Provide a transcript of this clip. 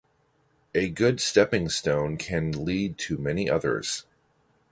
A good stepping stone can lead to many others.